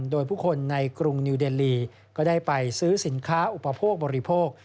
โดยผู้คนในกรุงนิวเดลีก็ได้ไปซื้อสินค้าอุปโภคบริโภค